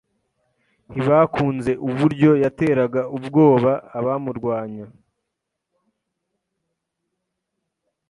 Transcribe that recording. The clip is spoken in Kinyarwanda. Ntibakunze uburyo yateraga ubwoba abamurwanya.